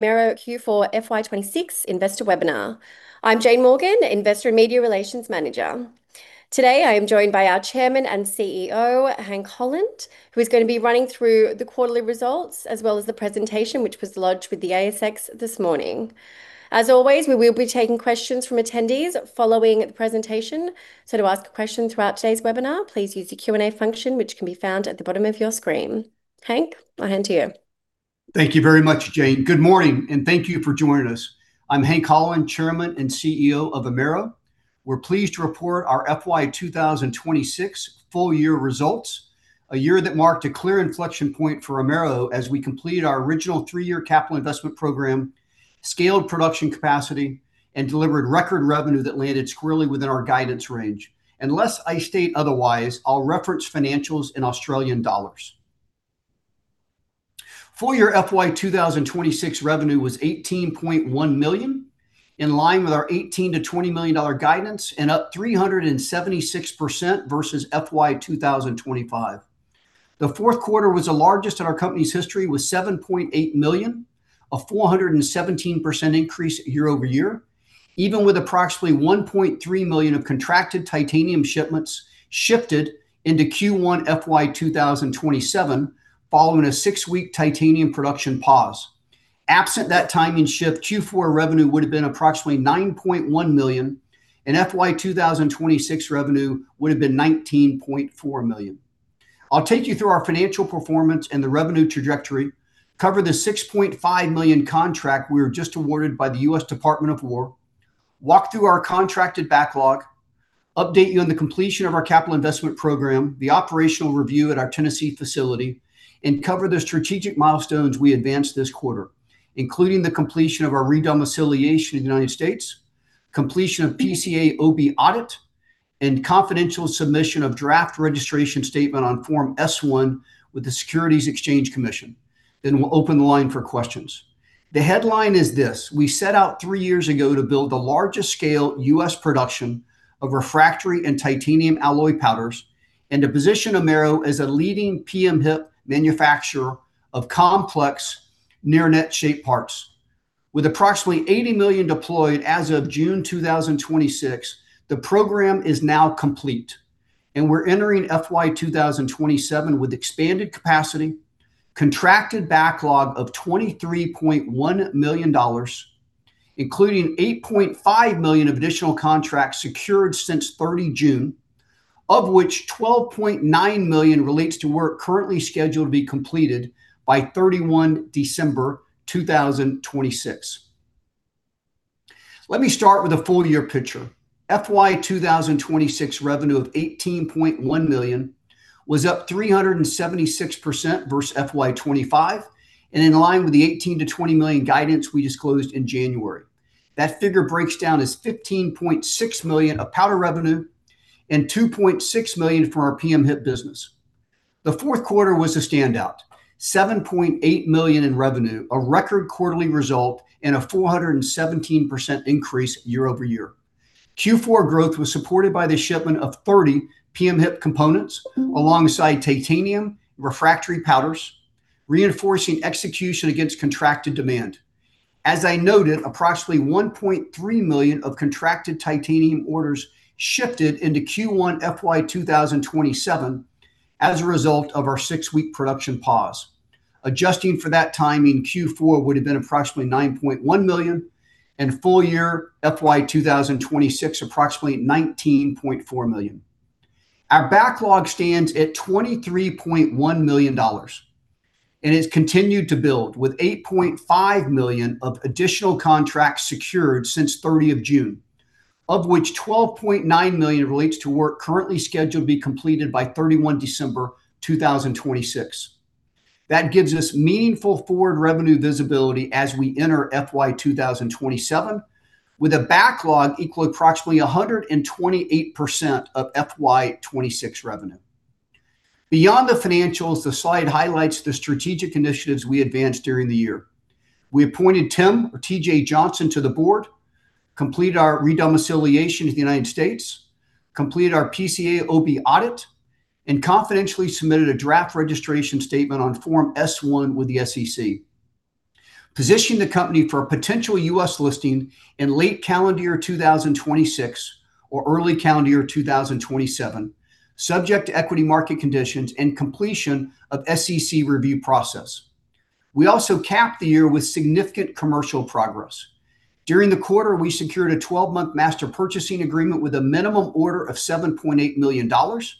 Amaero Q4 FY 2026 Investor Webinar. I'm Jane Morgan, Investor and Media Relations Manager. Today, I am joined by our Chairman and CEO, Hank Holland, who is going to be running through the quarterly results as well as the presentation, which was lodged with the ASX this morning. As always, we will be taking questions from attendees following the presentation. To ask a question throughout today's webinar, please use the Q&A function, which can be found at the bottom of your screen. Hank, I'll hand to you. Thank you very much, Jane. Good morning. Thank you for joining us. I'm Hank Holland, Chairman and CEO of Amaero. We're pleased to report our FY 2026 full-year results, a year that marked a clear inflection point for Amaero as we completed our original three-year capital investment program, scaled production capacity, and delivered record revenue that landed squarely within our guidance range. Unless I state otherwise, I'll reference financials in Australian dollars. Full-year FY 2026 revenue was 18.1 million, in line with our 18 million to 20 million dollar guidance and up 376% versus FY 2025. The fourth quarter was the largest in our company's history with 7.8 million, a 417% increase year-over-year, even with approximately 1.3 million of contracted titanium shipments shifted into Q1 FY 2027 following a six-week titanium production pause. Absent that timing shift, Q4 revenue would've been approximately 9.1 million, and FY 2026 revenue would've been 19.4 million. I'll take you through our financial performance and the revenue trajectory, cover the 6.5 million contract we were just awarded by the U.S. Department of War, walk through our contracted backlog, update you on the completion of our capital investment program, the operational review at our Tennessee facility, and cover the strategic milestones we advanced this quarter, including the completion of our re-domiciliation in the United States, completion of PCAOB audit, and confidential submission of draft registration statement on Form S-1 with the Securities and Exchange Commission. We'll open the line for questions. The headline is this: We set out three years ago to build the largest scale U.S. production of refractory and titanium alloy powders, and to position Amaero as a leading PM-HIP manufacturer of complex near net shape parts. With approximately 80 million deployed as of June 2026, the program is now complete, and we're entering FY 2027 with expanded capacity, contracted backlog of 23.1 million dollars, including 8.5 million of additional contracts secured since 30 June, of which 12.9 million relates to work currently scheduled to be completed by 31 December 2026. Let me start with the full-year picture. FY 2026 revenue of 18.1 million was up 376% versus FY 2025 and in line with the 18 million to 20 million guidance we disclosed in January. That figure breaks down as 15.6 million of powder revenue and 2.6 million from our PM-HIP business. The fourth quarter was a standout, 7.8 million in revenue, a record quarterly result and a 417% increase year-over-year. Q4 growth was supported by the shipment of 30 PM-HIP components alongside titanium refractory powders, reinforcing execution against contracted demand. As I noted, approximately 1.3 million of contracted titanium orders shifted into Q1 FY 2027 as a result of our six-week production pause. Adjusting for that timing, Q4 would've been approximately 9.1 million, and full-year FY 2026 approximately 19.4 million. Our backlog stands at 23.1 million dollars and has continued to build with 8.5 million of additional contracts secured since 30 June, of which 12.9 million relates to work currently scheduled to be completed by 31 December 2026. That gives us meaningful forward revenue visibility as we enter FY 2027 with a backlog equal approximately 128% of FY 2026 revenue. Beyond the financials, the slide highlights the strategic initiatives we advanced during the year. We appointed Tim or TJ Johnson to the board, completed our re-domiciliation to the United States, completed our PCAOB audit, and confidentially submitted a draft registration statement on Form S-1 with the SEC, positioning the company for a potential U.S. listing in late calendar year 2026 or early calendar year 2027, subject to equity market conditions and completion of SEC review process. We also capped the year with significant commercial progress. During the quarter, we secured a 12-month master purchasing agreement with a minimum order of 7.8 million dollars,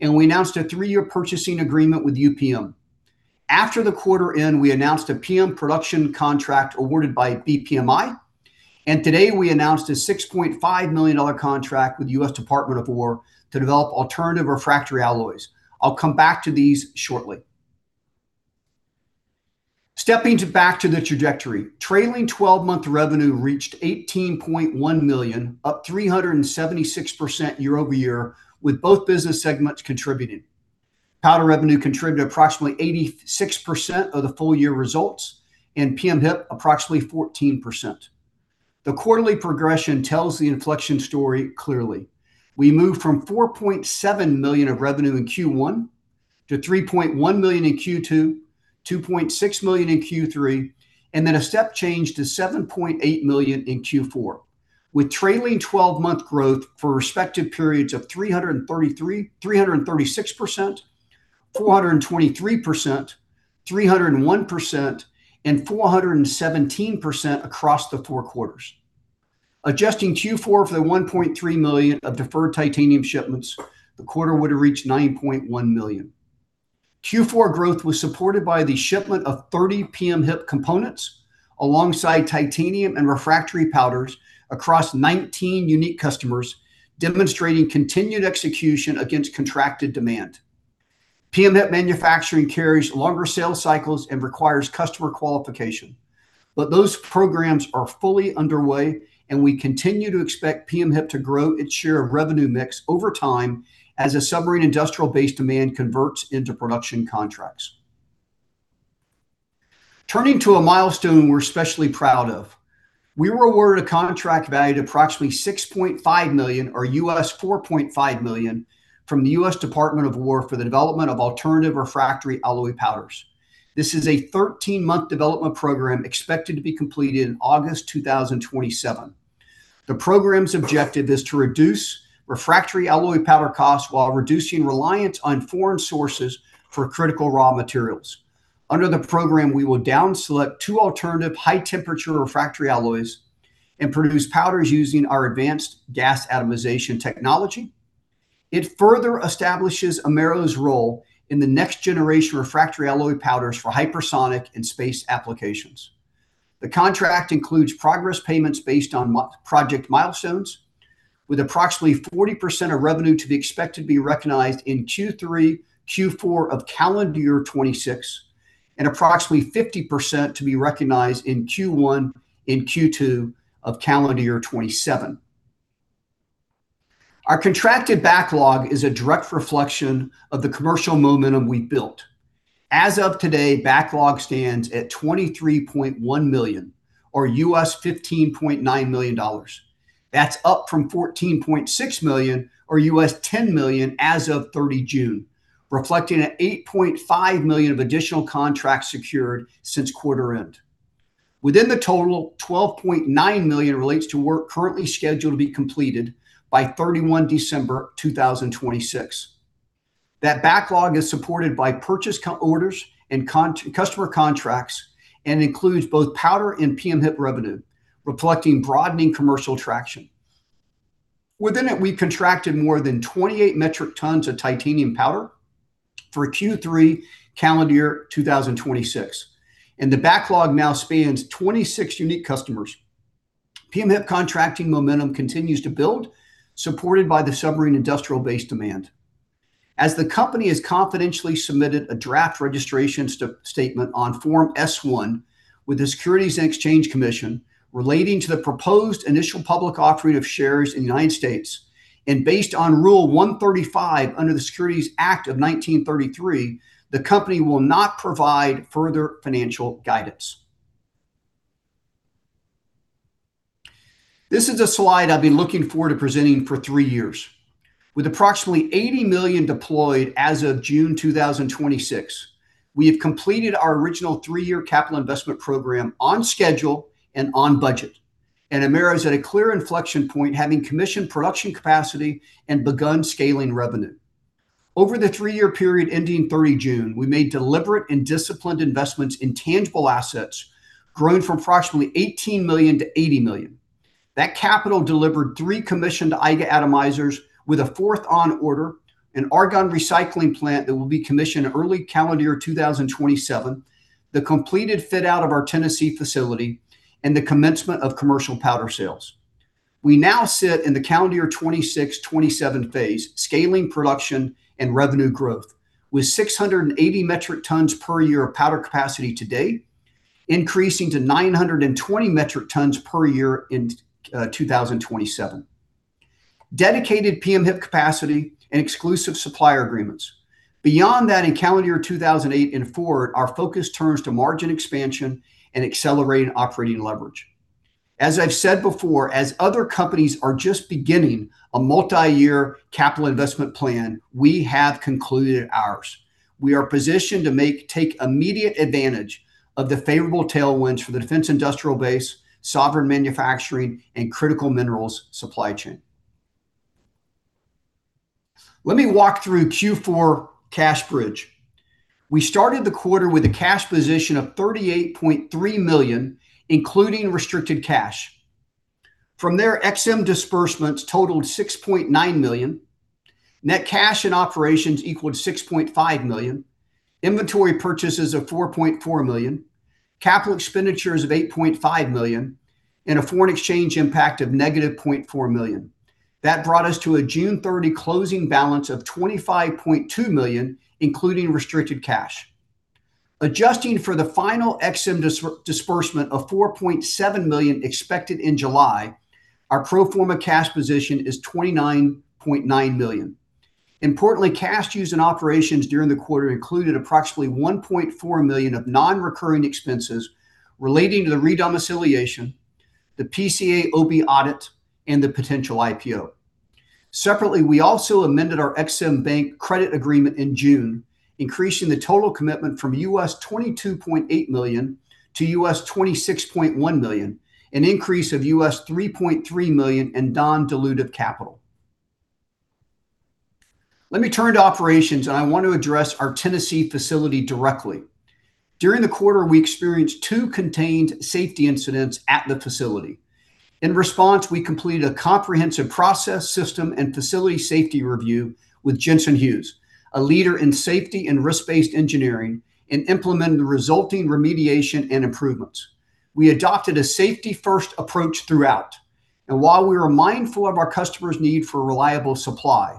and we announced a three-year purchasing agreement with UPM. After the quarter end, we announced a PM production contract awarded by BPMI, and today we announced an 6.5 million dollar contract with U.S. Department of War to develop alternative refractory alloys. I'll come back to these shortly. Stepping back to the trajectory. Trailing 12-month revenue reached 18.1 million, up 376% year-over-year with both business segments contributing. Powder revenue contributed approximately 86% of the full-year results and PM-HIP approximately 14%. The quarterly progression tells the inflection story clearly. We moved from 4.7 million of revenue in Q1 to 3.1 million in Q2, 2.6 million in Q3, and then a step change to 7.8 million in Q4. With trailing 12-month growth for respective periods of 336%, 423%, 301%, and 417% across the four quarters. Adjusting Q4 for the 1.3 million of deferred titanium shipments, the quarter would've reached 9.1 million. Q4 growth was supported by the shipment of 30 PM-HIP components alongside titanium and refractory powders across 19 unique customers, demonstrating continued execution against contracted demand. PM-HIP manufacturing carries longer sales cycles and requires customer qualification. Those programs are fully underway and we continue to expect PM-HIP to grow its share of revenue mix over time as a submarine industrial base demand converts into production contracts. Turning to a milestone we're especially proud of. We were awarded a contract valued at approximately 6.5 million, or $4.5 million from the U.S. Department of War for the development of alternative refractory alloy powders. This is a 13-month development program expected to be completed in August 2027. The program's objective is to reduce refractory alloy powder costs while reducing reliance on foreign sources for critical raw materials. Under the program, we will down-select two alternative high-temperature refractory alloys and produce powders using our advanced gas atomization technology. It further establishes Amaero's role in the next generation refractory alloy powders for hypersonic and space applications. The contract includes progress payments based on project milestones, with approximately 40% of revenue expected to be recognized in Q3, Q4 of calendar year 2026, and approximately 50% to be recognized in Q1 and Q2 of calendar year 2027. Our contracted backlog is a direct reflection of the commercial momentum we've built. As of today, backlog stands at 23.1 million, or $15.9 million. That's up from 14.6 million, or $10 million as of 30 June, reflecting an 8.5 million of additional contracts secured since quarter end. Within the total, 12.9 million relates to work currently scheduled to be completed by 31 December 2026. That backlog is supported by purchase orders and customer contracts, and includes both powder and PM-HIP revenue, reflecting broadening commercial traction. Within it, we've contracted more than 28 metric tons of titanium powder for Q3 calendar year 2026. The backlog now spans 26 unique customers. PM-HIP contracting momentum continues to build, supported by the submarine industrial base demand. As the company has confidentially submitted a draft registration statement on Form S-1 with the Securities and Exchange Commission relating to the proposed initial public offering of shares in the United States, and based on Rule 135 under the Securities Act of 1933, the company will not provide further financial guidance. This is a slide I've been looking forward to presenting for three years. With approximately 80 million deployed as of June 2026, we have completed our original three-year capital investment program on schedule and on budget. Amaero is at a clear inflection point having commissioned production capacity and begun scaling revenue. Over the three-year period ending 30 June, we made deliberate and disciplined investments in tangible assets growing from approximately 18 million to 80 million. That capital delivered three commissioned EIGA atomizers with a fourth on order, an argon recycling plant that will be commissioned early calendar year 2027, the completed fit-out of our Tennessee facility, and the commencement of commercial powder sales. We now sit in the calendar year 2026, 2027 phase scaling production and revenue growth with 680 metric tons per year of powder capacity to date, increasing to 920 metric tons per year in 2027. Dedicated PM-HIP capacity and exclusive supplier agreements. Beyond that, in calendar year 2008 and forward, our focus turns to margin expansion and accelerating operating leverage. As I've said before, as other companies are just beginning a multi-year capital investment plan, we have concluded ours. We are positioned to take immediate advantage of the favorable tailwinds for the defense industrial base, sovereign manufacturing, and critical minerals supply chain. Let me walk through Q4 cash bridge. We started the quarter with a cash position of 38.3 million, including restricted cash. From there, EXIM disbursements totaled 6.9 million, net cash and operations equaled 6.5 million, inventory purchases of 4.4 million, capital expenditures of 8.5 million, and a foreign exchange impact of negative 0.4 million. That brought us to a June 30 closing balance of 25.2 million, including restricted cash. Adjusting for the final EXIM disbursement of 4.7 million expected in July, our pro forma cash position is 29.9 million. Importantly, cash used in operations during the quarter included approximately 1.4 million of non-recurring expenses relating to the re-domiciliation, the PCAOB audit, and the potential IPO. Separately, we also amended our EXIM Bank credit agreement in June, increasing the total commitment from $22.8 million to $26.1 million, an increase of $3.3 million in non-dilutive capital. Let me turn to operations. I want to address our Tennessee facility directly. During the quarter, we experienced two contained safety incidents at the facility. In response, we completed a comprehensive process system and facility safety review with Jensen Hughes, a leader in safety and risk-based engineering, and implemented the resulting remediation and improvements. We adopted a safety-first approach throughout. While we are mindful of our customers' need for reliable supply,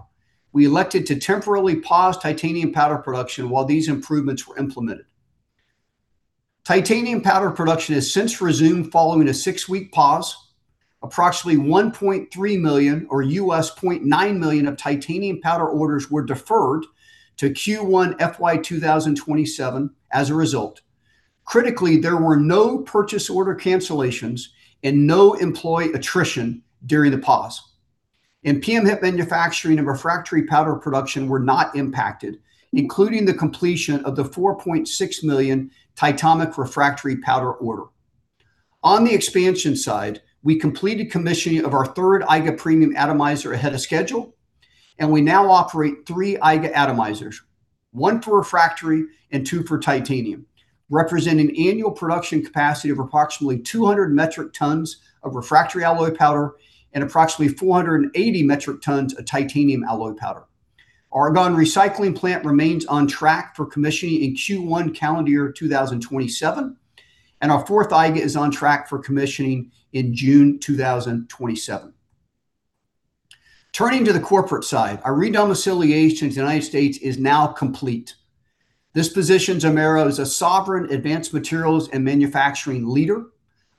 we elected to temporarily pause titanium powder production while these improvements were implemented. Titanium powder production has since resumed following a six-week pause. Approximately 1.3 million or $0.9 million of titanium powder orders were deferred to Q1 FY 2027 as a result. Critically, there were no purchase order cancellations and no employee attrition during the pause. PM-HIP manufacturing and refractory powder production were not impacted, including the completion of the 4.6 million Titomic refractory powder order. On the expansion side, we completed commissioning of our third EIGA premium atomizer ahead of schedule. We now operate three EIGA atomizers, one for refractory and two for titanium, representing annual production capacity of approximately 200 metric tons of refractory alloy powder and approximately 480 metric tons of titanium alloy powder. Argon recycling plant remains on track for commissioning in Q1 calendar year 2027. Our fourth EIGA is on track for commissioning in June 2027. Turning to the corporate side, our re-domiciliation to the U.S. is now complete. This positions Amaero as a sovereign advanced materials and manufacturing leader.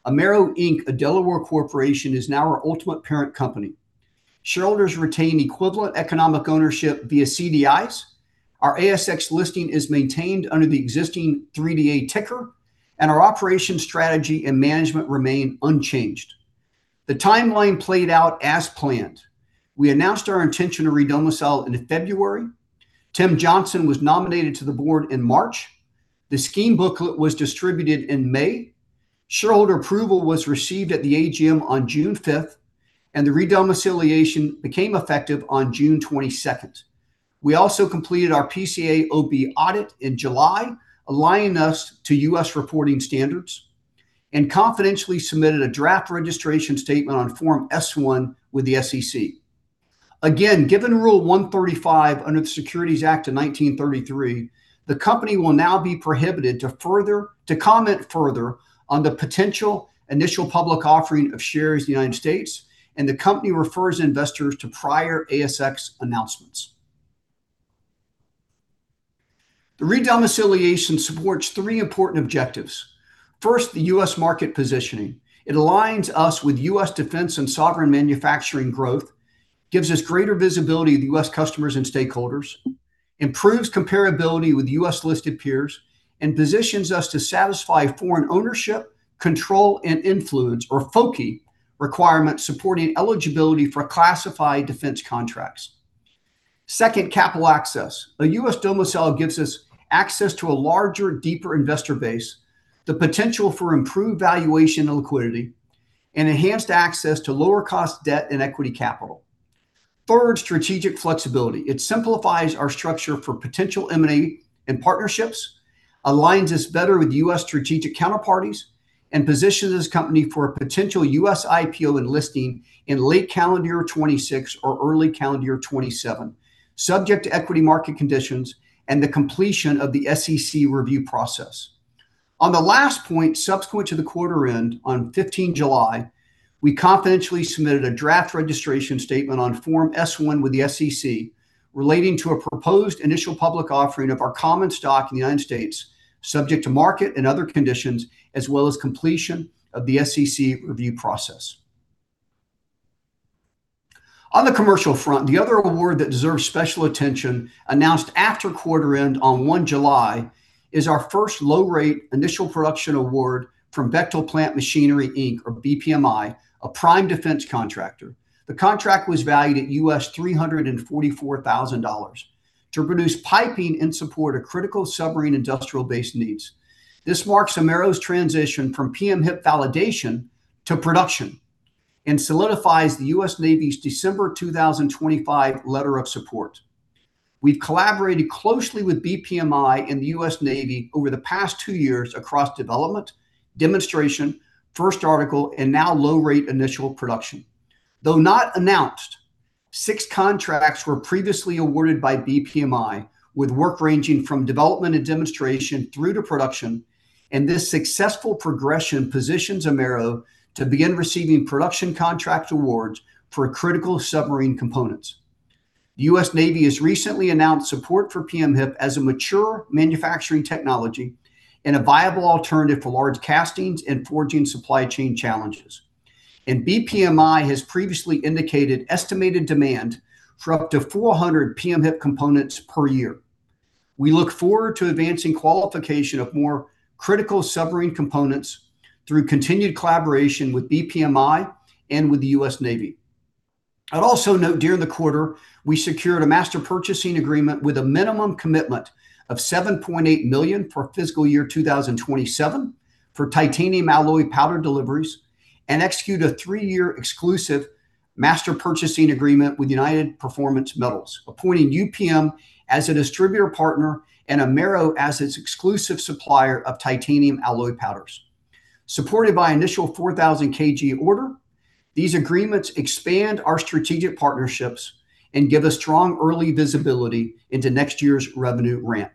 Amaero Inc., a Delaware corporation, is now our ultimate parent company. Shareholders retain equivalent economic ownership via CDIs. Our ASX listing is maintained under the existing 3DA ticker, and our operations strategy and management remain unchanged. The timeline played out as planned. We announced our intention to re-domicile in February. Tim Johnson was nominated to the board in March. The scheme booklet was distributed in May. Shareholder approval was received at the AGM on June 5th, and the re-domiciliation became effective on June 22nd. We also completed our PCAOB audit in July, aligning us to U.S. reporting standards, and confidentially submitted a draft registration statement on Form S-1 with the SEC. Given Rule 135 under the Securities Act of 1933, the company will now be prohibited to comment further on the potential initial public offering of shares in the U.S., and the company refers investors to prior ASX announcements. The re-domiciliation supports three important objectives. First, the U.S. market positioning. It aligns us with U.S. defense and sovereign manufacturing growth, gives us greater visibility to U.S. customers and stakeholders, improves comparability with U.S.-listed peers, and positions us to satisfy foreign ownership, control, and influence, or FOCI requirements supporting eligibility for classified defense contracts. Second, capital access. A U.S. domicile gives us access to a larger, deeper investor base, the potential for improved valuation and liquidity, and enhanced access to lower-cost debt and equity capital. Third, strategic flexibility. It simplifies our structure for potential M&A and partnerships, aligns us better with U.S. strategic counterparties, and positions this company for a potential U.S. IPO and listing in late calendar year 2026 or early calendar year 2027, subject to equity market conditions and the completion of the SEC review process. On the last point, subsequent to the quarter end on 15 July, we confidentially submitted a draft registration statement on Form S-1 with the SEC relating to a proposed initial public offering of our common stock in the United States, subject to market and other conditions, as well as completion of the SEC review process. On the commercial front, the other award that deserves special attention announced after quarter end on 1 July is our first low-rate initial production award from Bechtel Plant Machinery, Inc., or BPMI, a prime defense contractor. The contract was valued at $344,000 to produce piping in support of critical submarine industrial base needs. This marks Amaero's transition from PM-HIP validation to production and solidifies the U.S. Navy's December 2025 letter of support. We've collaborated closely with BPMI and the U.S. Navy over the past two years across development, demonstration, first article, and now low-rate initial production. Though not announced, six contracts were previously awarded by BPMI, with work ranging from development and demonstration through to production, this successful progression positions Amaero to begin receiving production contract awards for critical submarine components. The U.S. Navy has recently announced support for PM-HIP as a mature manufacturing technology and a viable alternative for large castings and forging supply chain challenges, and BPMI has previously indicated estimated demand for up to 400 PM-HIP components per year. We look forward to advancing qualification of more critical submarine components through continued collaboration with BPMI and with the U.S. Navy. I'd also note during the quarter, we secured a master purchasing agreement with a minimum commitment of 7.8 million for fiscal year 2027 for titanium alloy powder deliveries and executed a three-year exclusive master purchasing agreement with United Performance Metals, appointing UPM as a distributor partner and Amaero as its exclusive supplier of titanium alloy powders. Supported by initial 4,000 kg order, these agreements expand our strategic partnerships and give us strong early visibility into next year's revenue ramp.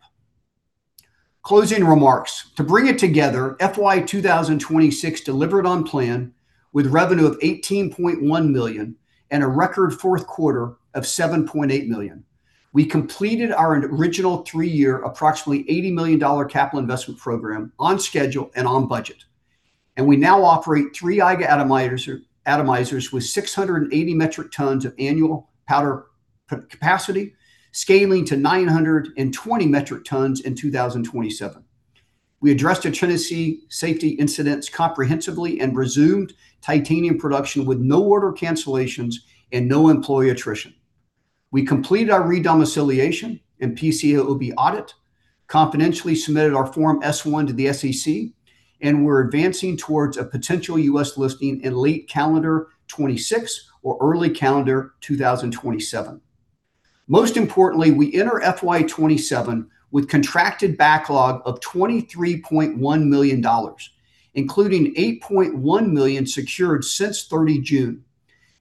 Closing remarks. To bring it together, FY 2026 delivered on plan with revenue of 18.1 million and a record fourth quarter of 7.8 million. We completed our original three-year approximately $80 million capital investment program on schedule and on budget, and we now operate three EIGA atomizers with 680 metric tons of annual powder capacity, scaling to 920 metric tons in 2027. We addressed the Tennessee safety incidents comprehensively and resumed titanium production with no order cancellations and no employee attrition. We completed our re-domiciliation and PCAOB audit, confidentially submitted our Form S-1 to the SEC, and we're advancing towards a potential U.S. listing in late calendar 2026 or early calendar 2027. Most importantly, we enter FY 2027 with contracted backlog of 23.1 million dollars, including 8.5 million secured since 30 June,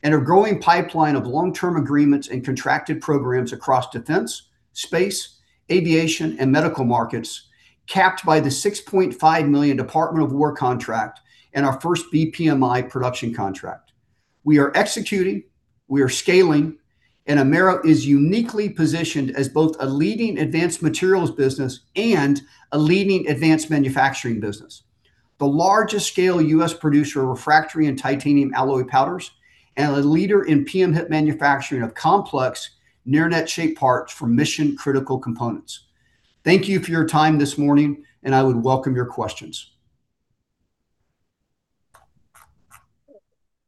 and a growing pipeline of long-term agreements and contracted programs across defense, space, aviation, and medical markets, capped by the 6.5 million Department of War contract and our first BPMI production contract. We are executing, we are scaling, and Amaero is uniquely positioned as both a leading advanced materials business and a leading advanced manufacturing business. The largest scale U.S. producer of refractory and titanium alloy powders, and a leader in PM-HIP manufacturing of complex near net shape parts for mission-critical components. Thank you for your time this morning, I would welcome your questions.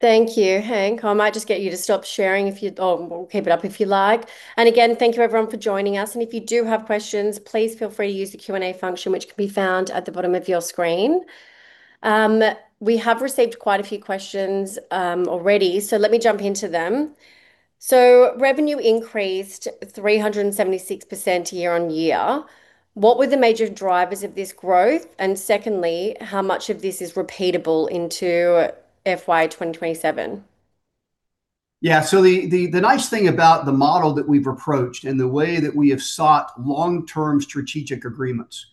Thank you, Hank. I might just get you to stop sharing if you or keep it up if you like. Again, thank you everyone for joining us. If you do have questions, please feel free to use the Q&A function, which can be found at the bottom of your screen. We have received quite a few questions already, let me jump into them. Revenue increased 376% year-over-year. What were the major drivers of this growth? Secondly, how much of this is repeatable into FY 2027? The nice thing about the model that we've approached and the way that we have sought long-term strategic agreements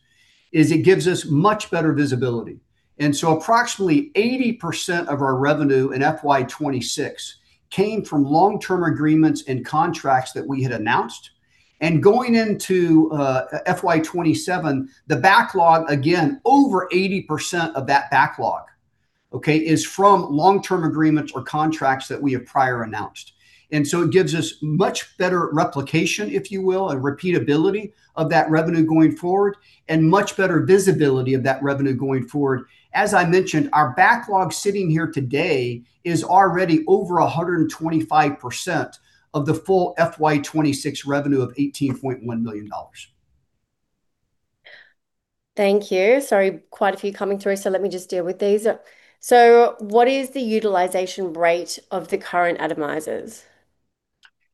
is it gives us much better visibility. Approximately 80% of our revenue in FY 2026 came from long-term agreements and contracts that we had announced. Going into FY 2027, the backlog again, over 80% of that backlog is from long-term agreements or contracts that we have prior announced. It gives us much better replication, if you will, and repeatability of that revenue going forward, and much better visibility of that revenue going forward. As I mentioned, our backlog sitting here today is already over 125% of the full FY 2026 revenue of 18.1 million dollars. Thank you. Quite a few coming through, let me just deal with these. What is the utilization rate of the current atomizers?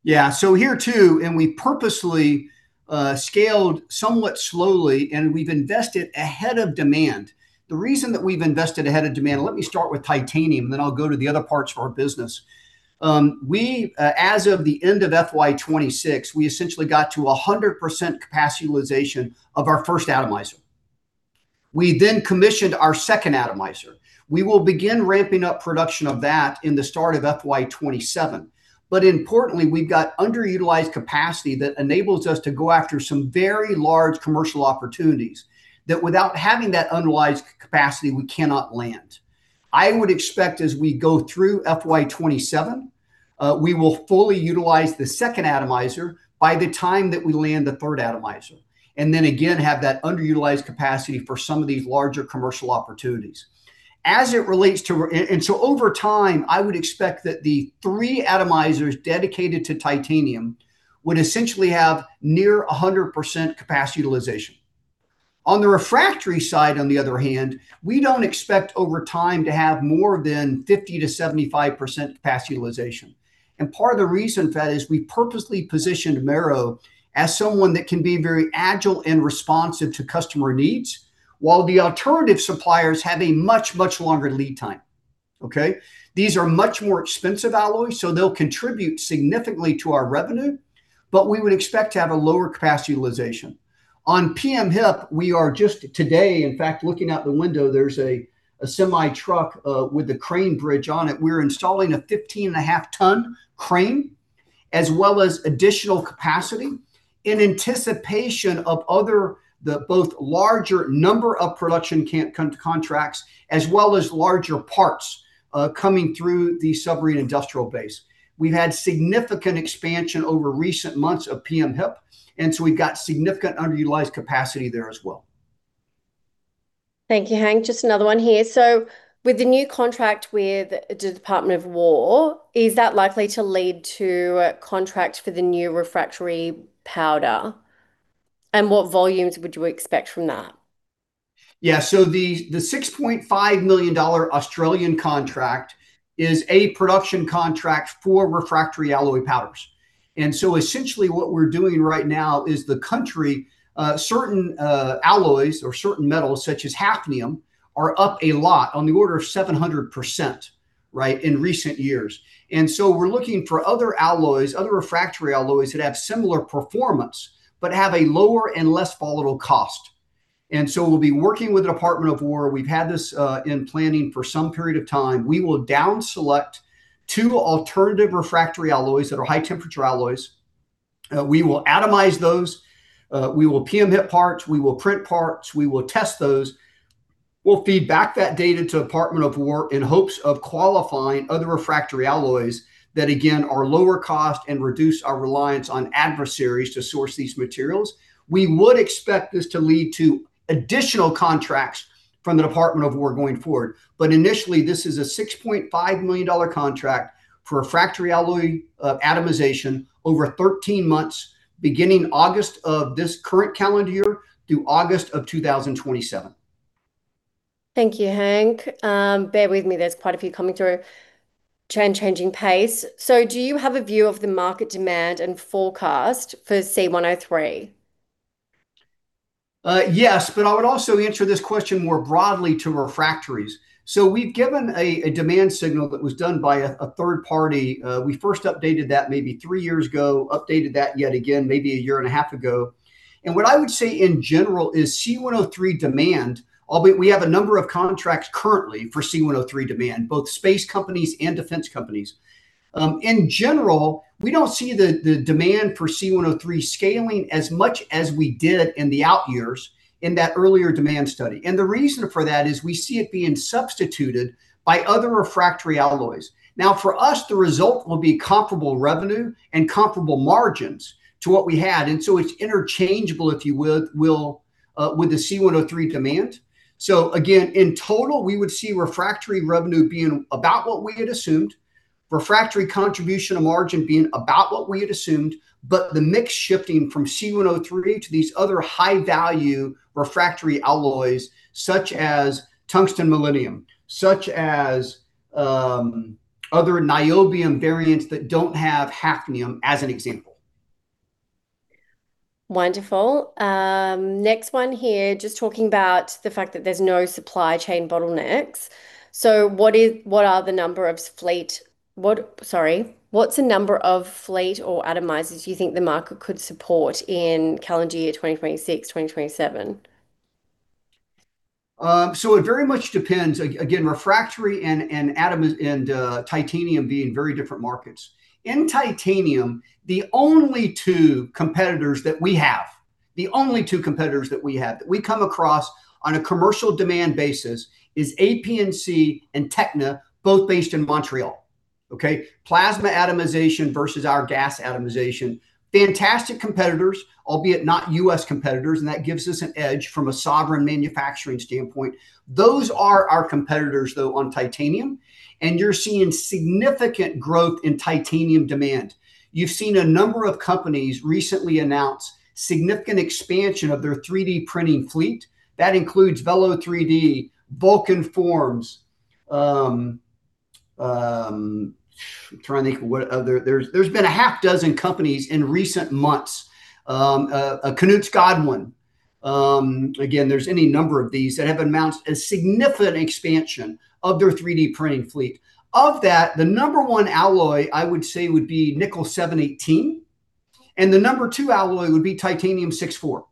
Yeah. Here too, we purposely scaled somewhat slowly, and we've invested ahead of demand. The reason that we've invested ahead of demand, let me start with titanium, then I'll go to the other parts of our business. As of the end of FY 2026, we essentially got to 100% capacity utilization of our first atomizer. We then commissioned our second atomizer. We will begin ramping up production of that in the start of FY 2027. Importantly, we've got underutilized capacity that enables us to go after some very large commercial opportunities that without having that utilized capacity, we cannot land. I would expect as we go through FY 2027, we will fully utilize the second atomizer by the time that we land the third atomizer, then again, have that underutilized capacity for some of these larger commercial opportunities. Over time, I would expect that the three atomizers dedicated to titanium would essentially have near 100% capacity utilization. On the refractory side, on the other hand, we don't expect over time to have more than 50%-75% capacity utilization. Part of the reason for that is we purposely positioned Amaero as someone that can be very agile and responsive to customer needs, while the alternative suppliers have a much, much longer lead time. Okay? These are much more expensive alloys, so they'll contribute significantly to our revenue, but we would expect to have a lower capacity utilization. On PM-HIP, we are just today, in fact, looking out the window, there's a semi truck with the crane bridge on it. We're installing a 15.5 ton crane, as well as additional capacity in anticipation of other, both larger number of production contracts as well as larger parts coming through the submarine industrial base. We've had significant expansion over recent months of PM-HIP, we've got significant underutilized capacity there as well. Thank you, Hank. Just another one here. With the new contract with the Department of War, is that likely to lead to a contract for the new refractory powder? What volumes would you expect from that? Yeah. The 6.5 million Australian dollars Australian contract is a production contract for refractory alloy powders. Essentially what we're doing right now is the country, certain alloys or certain metals, such as hafnium, are up a lot, on the order of 700%, in recent years. We're looking for other alloys, other refractory alloys, that have similar performance, but have a lower and less volatile cost. We'll be working with the Department of War. We've had this in planning for some period of time. We will down select two alternative refractory alloys that are high-temperature alloys. We will atomize those. We will PM-HIP parts. We will print parts. We will test those. We'll feed back that data to Department of War in hopes of qualifying other refractory alloys that, again, are lower cost and reduce our reliance on adversaries to source these materials. We would expect this to lead to additional contracts from the Department of War going forward. Initially, this is an 6.5 million dollar contract for refractory alloy atomization over 13 months, beginning August of this current calendar year through August of 2027. Thank you, Hank. Bear with me, there's quite a few coming through. Changing pace. Do you have a view of the market demand and forecast for C103? Yes, I would also answer this question more broadly to refractories. We've given a demand signal that was done by a third party. We first updated that maybe three years ago, updated that yet again maybe a year and a half ago. What I would say, in general, is C103 demand, albeit we have a number of contracts currently for C103 demand, both space companies and defense companies. In general, we don't see the demand for C103 scaling as much as we did in the out years in that earlier demand study. The reason for that is we see it being substituted by other refractory alloys. For us, the result will be comparable revenue and comparable margins to what we had, it's interchangeable, if you will, with the C103 demand. Again, in total, we would see refractory revenue being about what we had assumed, refractory contribution of margin being about what we had assumed, but the mix shifting from C103 to these other high-value refractory alloys, such as tungsten-molybdenum, such as other niobium variants that don't have hafnium, as an example. Wonderful. Next one here, just talking about the fact that there's no supply chain bottlenecks. What's the number of fleet or atomizers you think the market could support in calendar year 2026, 2027? It very much depends. Again, refractory and titanium being very different markets. In titanium, the only two competitors that we have, that we come across on a commercial demand basis is AP&C and Tekna, both based in Montreal. Plasma atomization versus our gas atomization. Fantastic competitors, albeit not U.S. competitors, and that gives us an edge from a sovereign manufacturing standpoint. Those are our competitors, though, on titanium, and you're seeing significant growth in titanium demand. You've seen a number of companies recently announce significant expansion of their 3D printing fleet. That includes Velo3D, VulcanForms. I'm trying to think of what other There's been a half dozen companies in recent months. Knust-Godwin. Again, there's any number of these that have announced a significant expansion of their 3D printing fleet. Of that, the number one alloy, I would say, would be Inconel 718, and the number two alloy would be titanium 6-4.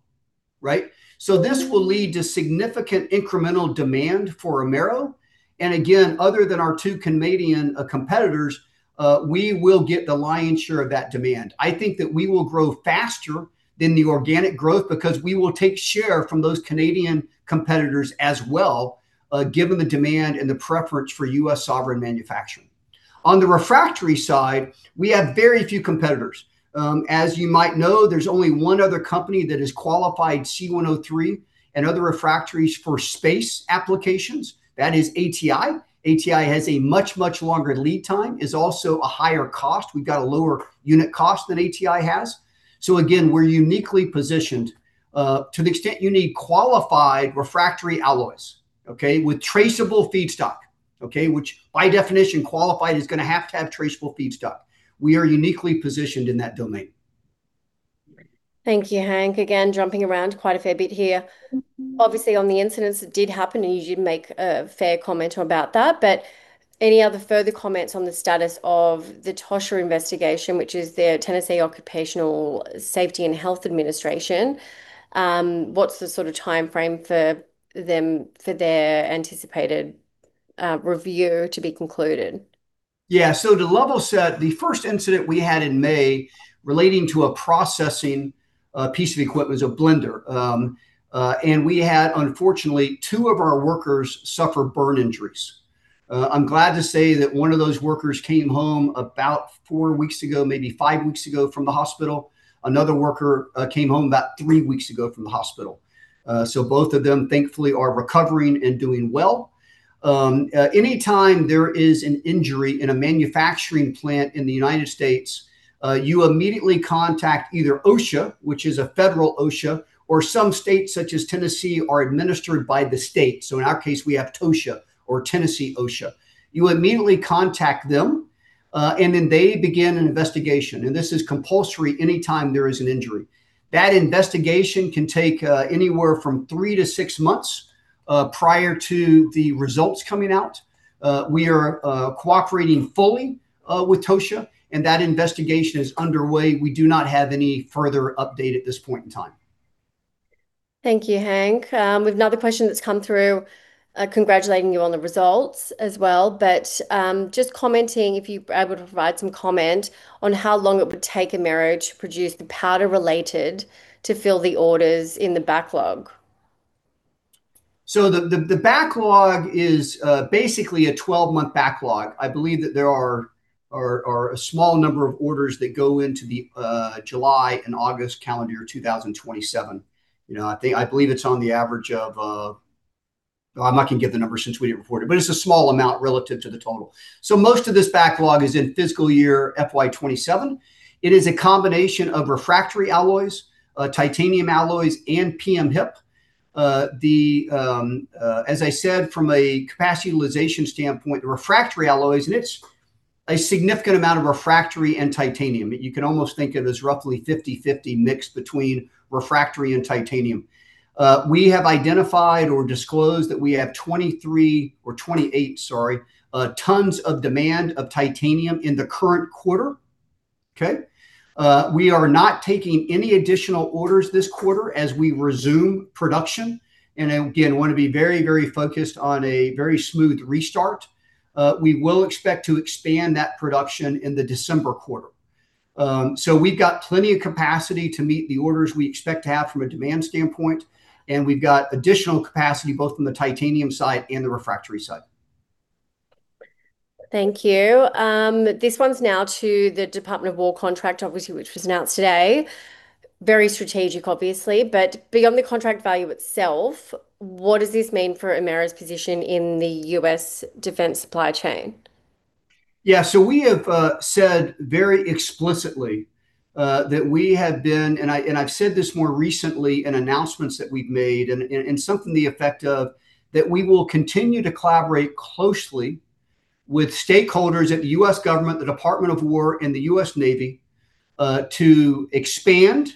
This will lead to significant incremental demand for Amaero. Again, other than our two Canadian competitors, we will get the lion's share of that demand. I think that we will grow faster than the organic growth because we will take share from those Canadian competitors as well, given the demand and the preference for U.S. sovereign manufacturing. On the refractory side, we have very few competitors. As you might know, there's only one other company that has qualified C103 and other refractories for space applications. That is ATI. ATI has a much, much longer lead time, is also a higher cost. We've got a lower unit cost than ATI has. Again, we're uniquely positioned to the extent you need qualified refractory alloys. With traceable feedstock. By definition, qualified is going to have to have traceable feedstock. We are uniquely positioned in that domain. Thank you, Hank. Jumping around quite a fair bit here. On the incidents that did happen, you did make a fair comment about that. Any other further comments on the status of the TOSHA investigation, which is the Tennessee Occupational Safety and Health Administration? What's the sort of timeframe for their anticipated review to be concluded? To level set, the first incident we had in May relating to a processing piece of equipment, it was a blender. We had, unfortunately, two of our workers suffer burn injuries. I'm glad to say that one of those workers came home about four weeks ago, maybe five weeks ago from the hospital. Another worker came home about three weeks ago from the hospital. Both of them, thankfully, are recovering and doing well. Anytime there is an injury in a manufacturing plant in the U.S., you immediately contact either OSHA, which is a federal OSHA, or some states, such as Tennessee, are administered by the state. In our case, we have TOSHA, or Tennessee OSHA. You immediately contact them, and then they begin an investigation. This is compulsory anytime there is an injury. That investigation can take anywhere from three to six months, prior to the results coming out. We are cooperating fully with TOSHA, and that investigation is underway. We do not have any further update at this point in time. Thank you, Hank. We've another question that's come through congratulating you on the results as well, just commenting if you're able to provide some comment on how long it would take Amaero to produce the powder related to fill the orders in the backlog. The backlog is basically a 12-month backlog. I believe that there are a small number of orders that go into the July and August calendar year 2027. I'm not going to give the number since we didn't report it's a small amount relative to the total. Most of this backlog is in fiscal year FY 2027. It is a combination of refractory alloys, titanium alloys, and PM-HIP. As I said, from a capacity utilization standpoint, the refractory alloys, and it's a significant amount of refractory and titanium. You can almost think of as roughly 50/50 mixed between refractory and titanium. We have identified or disclosed that we have 23 or 28, sorry, tons of demand of titanium in the current quarter. Okay. We are not taking any additional orders this quarter as we resume production and again, want to be very focused on a very smooth restart. We will expect to expand that production in the December quarter. We've got plenty of capacity to meet the orders we expect to have from a demand standpoint, and we've got additional capacity both from the titanium side and the refractory side. Thank you. This one's now to the Department of War contract, obviously, which was announced today. Very strategic, obviously, beyond the contract value itself, what does this mean for Amaero's position in the U.S. defense supply chain? We have said very explicitly that I've said this more recently in announcements that we've made to the effect of that we will continue to collaborate closely with stakeholders at the U.S. government, the Department of War, and the U.S. Navy, to expand,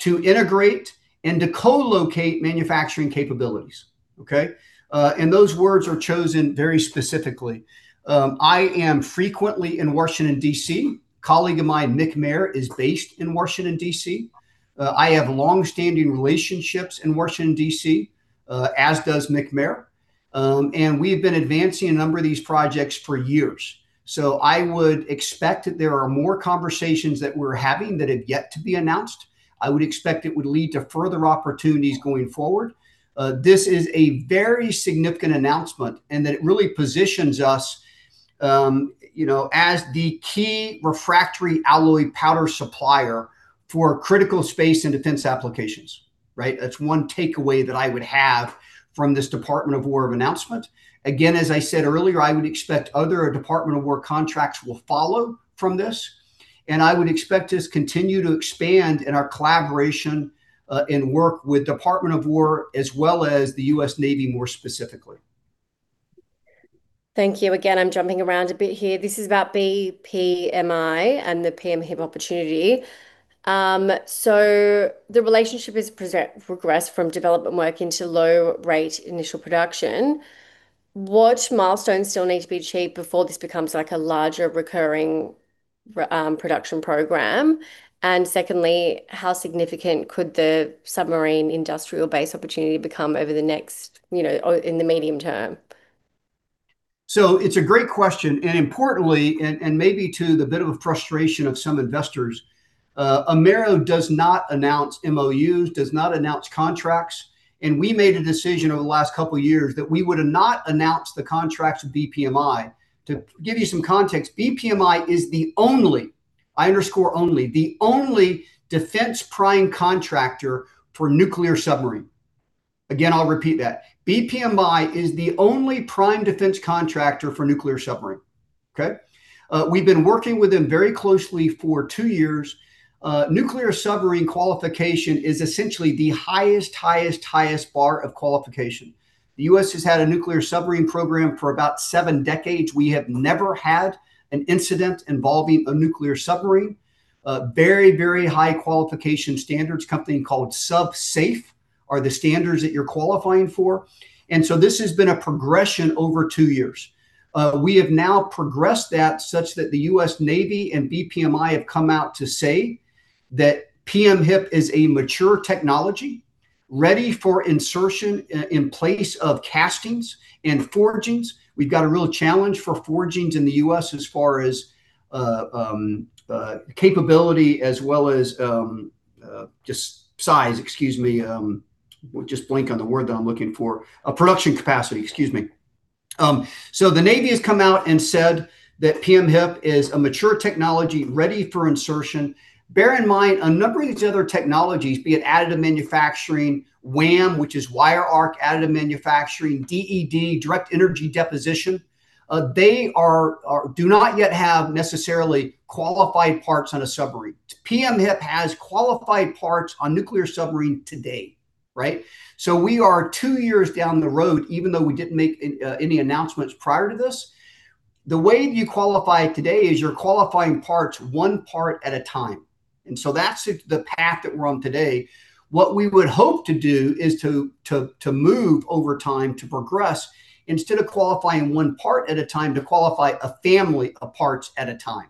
to integrate, and to co-locate manufacturing capabilities. Okay. Those words are chosen very specifically. I am frequently in Washington, D.C. Colleague of mine, Mick Maher, is based in Washington, D.C. I have longstanding relationships in Washington, D.C., as does Mick Maher. We have been advancing a number of these projects for years. I would expect that there are more conversations that we're having that have yet to be announced. I would expect it would lead to further opportunities going forward. This is a very significant announcement and that it really positions us as the key refractory alloy powder supplier for critical space and defense applications. Right. That's one takeaway that I would have from this Department of War announcement. Again, as I said earlier, I would expect other Department of War contracts will follow from this. I would expect us continue to expand in our collaboration, and work with Department of War as well as the U.S. Navy more specifically. Thank you. Again, I'm jumping around a bit here. This is about BPMI and the PM-HIP opportunity. The relationship has progressed from development work into low rate initial production. What milestones still need to be achieved before this becomes a larger recurring production program? Secondly, how significant could the submarine industrial base opportunity become in the medium term? It's a great question, and importantly, and maybe to the bit of a frustration of some investors, Amaero does not announce MOUs, does not announce contracts. We made a decision over the last couple of years that we would not announce the contracts with BPMI. To give you some context, BPMI is the only, I underscore only, defense prime contractor for nuclear submarine. Again, I'll repeat that. BPMI is the only prime defense contractor for nuclear submarine. Okay. We've been working with them very closely for two years. Nuclear submarine qualification is essentially the highest bar of qualification. The U.S. has had a nuclear submarine program for about seven decades. We have never had an incident involving a nuclear submarine. Very high qualification standards, company called SUBSAFE, are the standards that you're qualifying for. This has been a progression over two years. We have now progressed that such that the U.S. Navy and BPMI have come out to say that PM-HIP is a mature technology ready for insertion in place of castings and forgings. We've got a real challenge for forgings in the U.S. as far as capability as well as production capacity. The Navy has come out and said that PM-HIP is a mature technology ready for insertion. Bear in mind, a number of these other technologies, be it additive manufacturing, WAAM, which is wire arc additive manufacturing, DED, direct energy deposition, they do not yet have necessarily qualified parts on a submarine. PM-HIP has qualified parts on nuclear submarine today. We are two years down the road, even though we didn't make any announcements prior to this. The way you qualify today is you're qualifying parts one part at a time, that's the path that we're on today. What we would hope to do is to move over time to progress, instead of qualifying one part at a time, to qualify a family of parts at a time.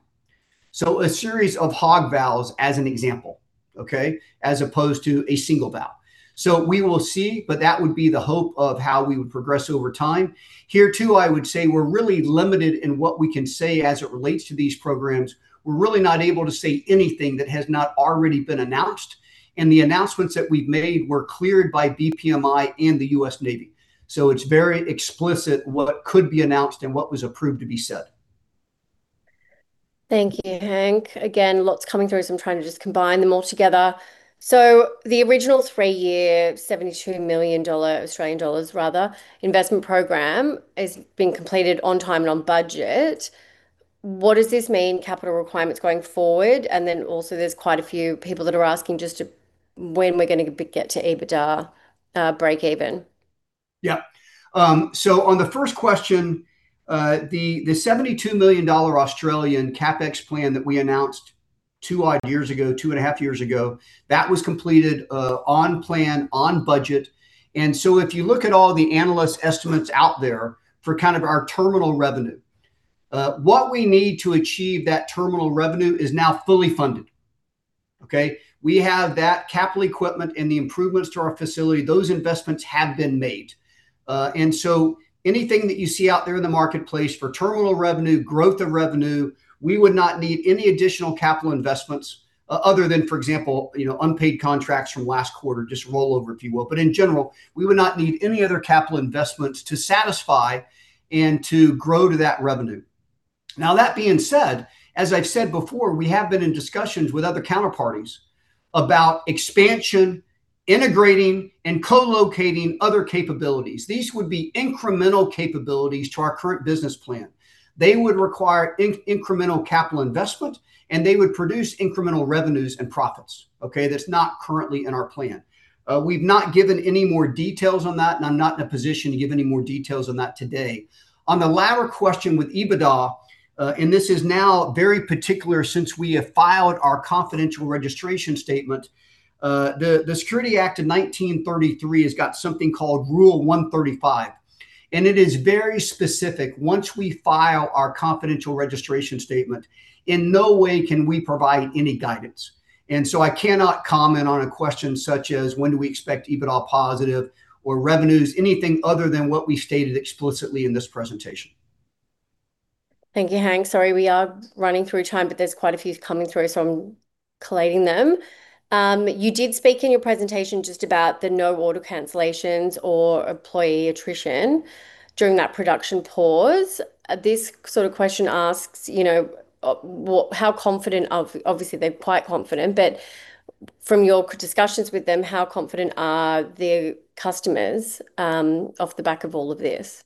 A series of hull valves, as an example, okay? As opposed to a single valve. We will see, that would be the hope of how we would progress over time. Here too, I would say we're really limited in what we can say as it relates to these programs. We're really not able to say anything that has not already been announced, the announcements that we've made were cleared by BPMI and the U.S. Navy. It's very explicit what could be announced and what was approved to be said. Thank you, Hank. Again, lots coming through, I'm trying to just combine them all together. The original three-year, 72 million Australian dollars investment program is being completed on time and on budget. What does this mean capital requirements going forward? There's quite a few people that are asking just when we're going to get to EBITDA breakeven. On the first question, the 72 million Australian dollars CapEx plan that we announced two odd years ago, two and a half years ago, that was completed on plan, on budget. If you look at all the analyst estimates out there for kind of our terminal revenue, what we need to achieve that terminal revenue is now fully funded. We have that capital equipment and the improvements to our facility, those investments have been made. Anything that you see out there in the marketplace for terminal revenue, growth of revenue, we would not need any additional capital investments other than, for example, unpaid contracts from last quarter, just roll over, if you will. In general, we would not need any other capital investments to satisfy and to grow to that revenue. That being said, as I've said before, we have been in discussions with other counterparties about expansion, integrating, and co-locating other capabilities. These would be incremental capabilities to our current business plan. They would require incremental capital investment, they would produce incremental revenues and profits. Okay. That's not currently in our plan. We've not given any more details on that, I'm not in a position to give any more details on that today. On the latter question with EBITDA, this is now very particular since we have filed our confidential registration statement, the Securities Act of 1933 has got something called Rule 135. It is very specific. Once we file our confidential registration statement, in no way can we provide any guidance, I cannot comment on a question such as when do we expect EBITDA positive or revenues, anything other than what we stated explicitly in this presentation. Thank you, Hank. Sorry, we are running through time, there's quite a few coming through, I'm collating them. You did speak in your presentation just about the no order cancellations or employee attrition during that production pause. This sort of question asks, Obviously, they're quite confident, from your discussions with them, how confident are their customers off the back of all of this?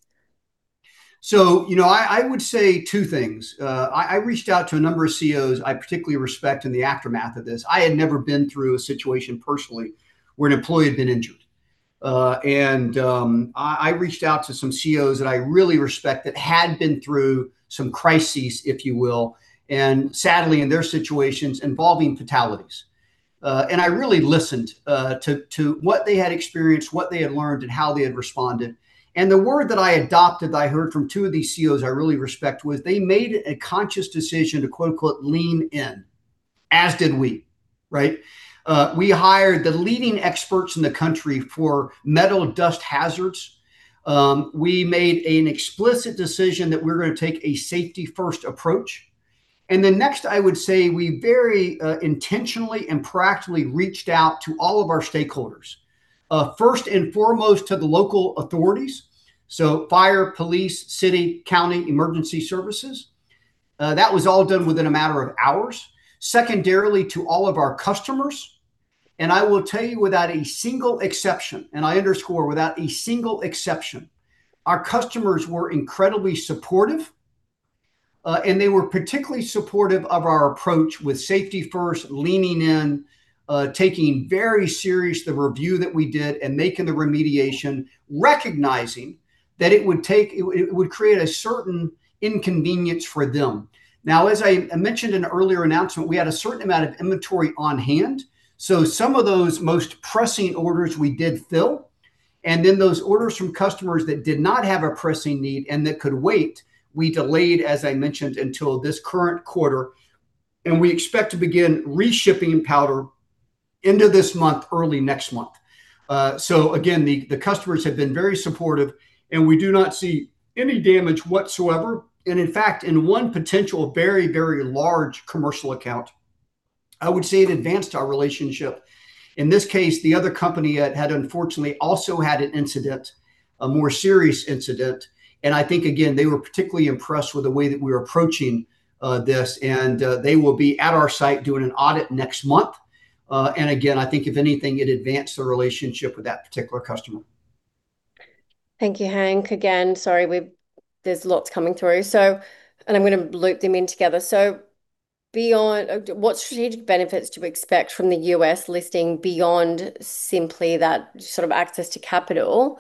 I would say two things. I reached out to a number of CEOs I particularly respect in the aftermath of this. I had never been through a situation personally where an employee had been injured. I reached out to some CEOs that I really respect that had been through some crises, if you will, sadly, in their situations involving fatalities. I really listened to what they had experienced, what they had learned, and how they had responded. The word that I adopted that I heard from two of these CEOs I really respect was they made a conscious decision to, "lean in," as did we. Right. We hired the leading experts in the country for metal dust hazards. We made an explicit decision that we were going to take a safety-first approach. Next, I would say we very intentionally and practically reached out to all of our stakeholders. First and foremost, to the local authorities, so fire, police, city, county emergency services. That was all done within a matter of hours. Secondarily, to all of our customers. I will tell you, without a single exception, and I underscore without a single exception, our customers were incredibly supportive, and they were particularly supportive of our approach with safety first, leaning in, taking very serious the review that we did and making the remediation, recognizing that it would create a certain inconvenience for them. As I mentioned in an earlier announcement, we had a certain amount of inventory on hand, some of those most pressing orders we did fill, and those orders from customers that did not have a pressing need and that could wait, we delayed, as I mentioned, until this current quarter, and we expect to begin reshipping powder end of this month, early next month. Again, the customers have been very supportive, and we do not see any damage whatsoever. In fact, in one potential very, very large commercial account I would say it advanced our relationship. In this case, the other company had unfortunately also had an incident, a more serious incident. I think, again, they were particularly impressed with the way that we were approaching this, and they will be at our site doing an audit next month. Again, I think if anything, it advanced the relationship with that particular customer. Thank you, Hank. Again, sorry, there's lots coming through, and I'm going to loop them in together. What strategic benefits do we expect from the U.S. listing beyond simply that sort of access to capital?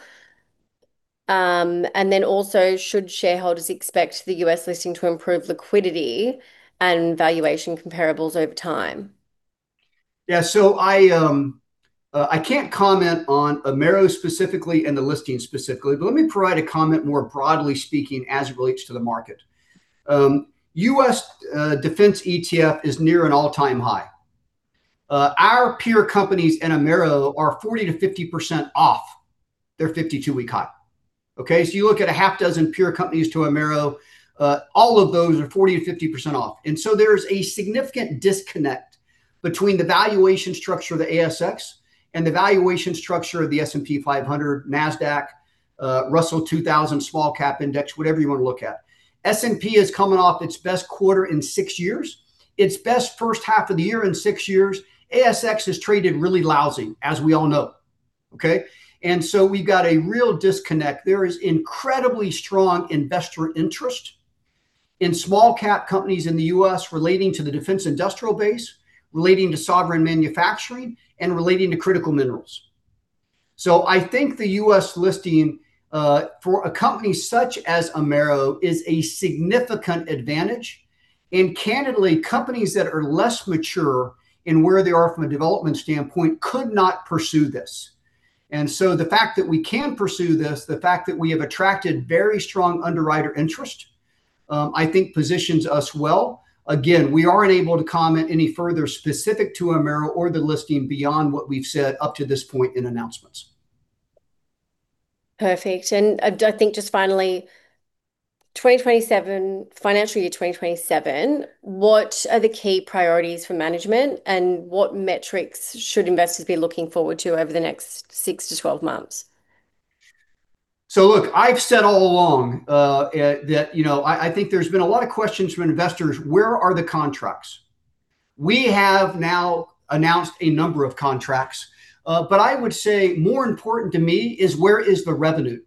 Also, should shareholders expect the U.S. listing to improve liquidity and valuation comparables over time? I can't comment on Amaero specifically and the listing specifically, but let me provide a comment more broadly speaking as it relates to the market. U.S. Defense ETF is near an all-time high. Our peer companies in Amaero are 40%-50% off their 52-week high. Okay? You look at a half dozen peer companies to Amaero, all of those are 40%-50% off. There's a significant disconnect between the valuation structure of the ASX and the valuation structure of the S&P 500, NASDAQ, Russell 2000, Small Cap Index, whatever you want to look at. S&P is coming off its best quarter in six years, its best first half of the year in six years. ASX has traded really lousy, as we all know. Okay? We've got a real disconnect. There is incredibly strong investor interest in small cap companies in the U.S. relating to the defense industrial base, relating to sovereign manufacturing, and relating to critical minerals. I think the U.S. listing, for a company such as Amaero, is a significant advantage. Candidly, companies that are less mature in where they are from a development standpoint could not pursue this. The fact that we can pursue this, the fact that we have attracted very strong underwriter interest, I think positions us well. Again, we aren't able to comment any further specific to Amaero or the listing beyond what we've said up to this point in announcements. Perfect. I think just finally, financial year 2027, what are the key priorities for management, and what metrics should investors be looking forward to over the next 6to 12 months? Look, I've said all along that I think there's been a lot of questions from investors, "Where are the contracts?" We have now announced a number of contracts. I would say more important to me is where is the revenue?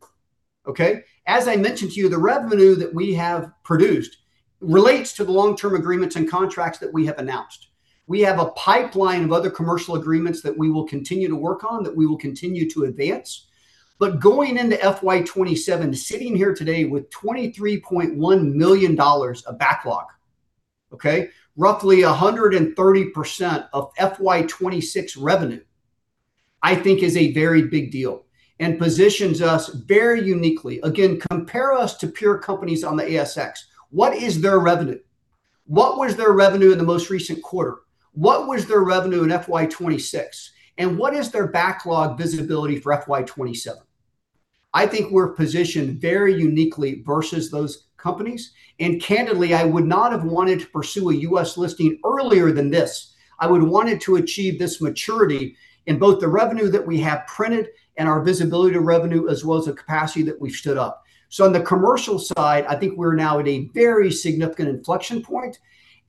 Okay? As I mentioned to you, the revenue that we have produced relates to the long-term agreements and contracts that we have announced. We have a pipeline of other commercial agreements that we will continue to work on, that we will continue to advance. Going into FY 2027, sitting here today with 23.1 million dollars of backlog, okay, roughly 130% of FY 2026 revenue, I think is a very big deal and positions us very uniquely. Again, compare us to peer companies on the ASX. What is their revenue? What was their revenue in the most recent quarter? What was their revenue in FY 2026? What is their backlog visibility for FY 2027? I think we're positioned very uniquely versus those companies. Candidly, I would not have wanted to pursue a U.S. listing earlier than this. I would've wanted to achieve this maturity in both the revenue that we have printed and our visibility to revenue as well as the capacity that we've stood up. On the commercial side, I think we're now at a very significant inflection point,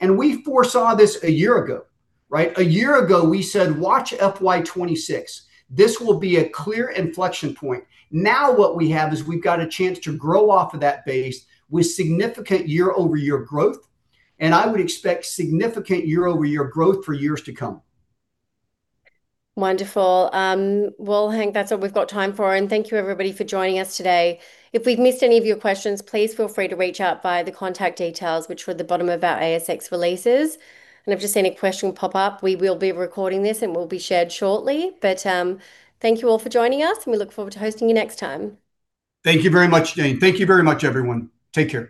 and we foresaw this a year ago, right? A year ago, we said, "Watch FY 2026. This will be a clear inflection point." Now what we have is we've got a chance to grow off of that base with significant year-over-year growth, and I would expect significant year-over-year growth for years to come. Wonderful. Well, Hank, that's all we've got time for. Thank you everybody for joining us today. If we've missed any of your questions, please feel free to reach out via the contact details which were at the bottom of our ASX releases. If you see any question pop up, we will be recording this and will be shared shortly. Thank you all for joining us, and we look forward to hosting you next time. Thank you very much, Jane. Thank you very much, everyone. Take care.